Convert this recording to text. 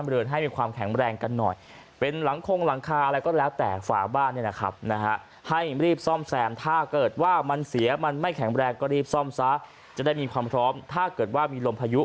รีบซ่อมซ้าจะได้มีความพร้อมถ้าเกิดว่ามีลมพายุ